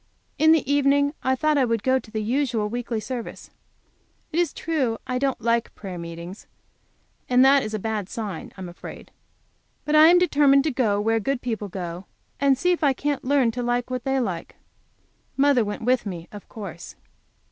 In the evening I thought I would go to the usual weekly service. It is true I don't like prayer meetings, and that is a bad sign, I am afraid. But I am determined to go where good people go, and see if I can't learn to like what they like. Mother went with me, of course.